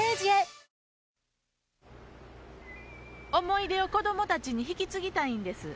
思い出を子供たちに引き継ぎたいんです。